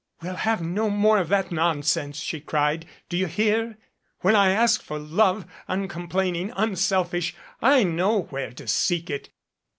"We'll have no more of that nonsense," she cried. "Do you hear? When I ask for love uncomplaining unselfish, I know where to seek it."